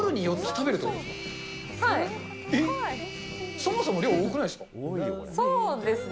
そもそも量、多くないですか？